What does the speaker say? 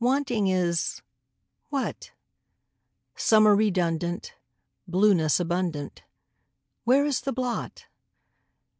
Wanting is what? Summer redundant, Blueness abundant, Where is the blot?